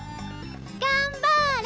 がんばーれ！